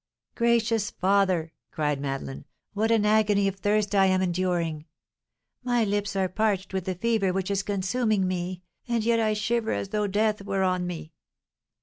"Gracious Father!" cried Madeleine; "what an agony of thirst I am enduring! My lips are parched with the fever which is consuming me, and yet I shiver as though death were on me!"